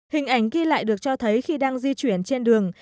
hình ảnh ghi lại được cho thấy khi đang di chuyển trên đường